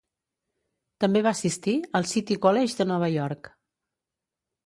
També va assistir al City College de Nova York.